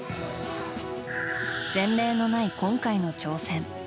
前例のない今回の挑戦。